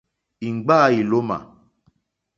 Íŋɡbâ ílómà.